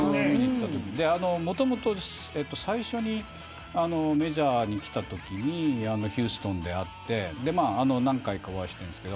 もともと最初にメジャーに来たときにヒューストンで会って何回かお会いしています。